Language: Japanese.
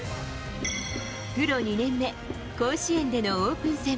プロ２年目、甲子園でのオープン戦。